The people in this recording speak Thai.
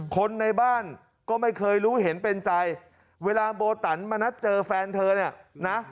คนในบ้านก็ไม่เคยรู้เห็นเป็นใจเวลาโบตันมานัดเจอแฟนเธอเนี่ยนะ